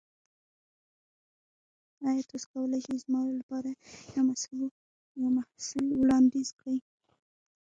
ایا تاسو کولی شئ زما لپاره یو محصول وړاندیز کړئ؟